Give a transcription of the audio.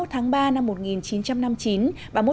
ba mươi một tháng ba năm một nghìn chín trăm năm mươi chín